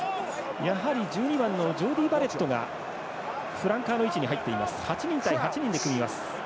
やはり１２番ジョーディー・バレットがフランカーの位置に入って８人対８人で組みます。